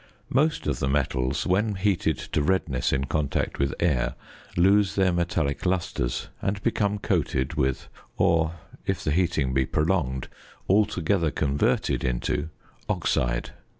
Most of the metals, when heated to redness in contact with air, lose their metallic lustre and become coated with, or (if the heating be prolonged) altogether converted into, oxide.